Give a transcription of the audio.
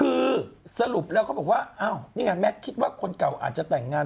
คือสรุปแล้วเขาบอกว่าอ้าวนี่ไงแมทคิดว่าคนเก่าอาจจะแต่งงาน